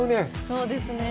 そうですね。